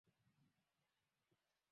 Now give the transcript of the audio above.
Hawa, sioni wengine, kwao liko angamiyo